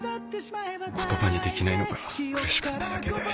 言葉にできないのが苦しかっただけで。